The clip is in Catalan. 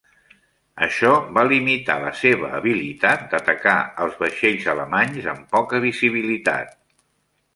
Això va limitar la seva habilitat d'atacar els vaixells alemanys amb poca visibilitat.